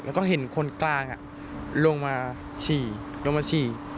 แล้วก็เห็นคนกลางลงมาฉี่